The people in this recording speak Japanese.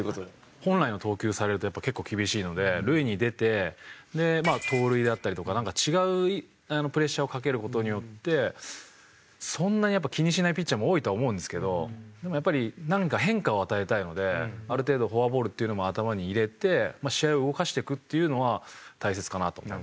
本来の投球されるとやっぱ結構厳しいので塁に出てまあ盗塁だったりとかなんか違うプレッシャーをかける事によってそんなに気にしないピッチャーも多いとは思うんですけどでもやっぱり何か変化を与えたいのである程度フォアボールっていうのも頭に入れて試合を動かしていくっていうのは大切かなと思いますね。